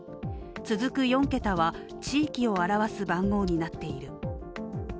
続く４桁は、地域を表す番号になっている。